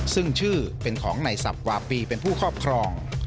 ซึ่งชื่อเป็นของในสับวาปีเป็นผู้ครอบครอง